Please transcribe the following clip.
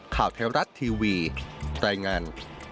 ข่าวไทยรัฐทีวีรายงาน